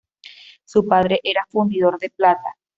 Su padre era fundidor de plata.